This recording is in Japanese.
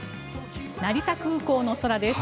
成田空港の空です。